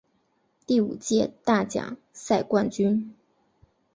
第五届大奖赛冠军。